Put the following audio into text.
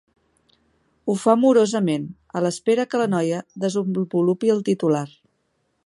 Ho fa morosament, a l'espera que la noia desenvolupi el titular.